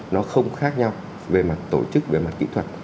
nó không khác nhau về mặt tổ chức về mặt kỹ thuật